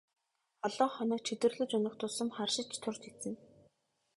Олон хоног чөдөрлөж унах тусам харшиж турж эцнэ.